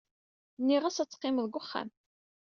Nniɣ-as ad teqqimeḍ deg uxxam.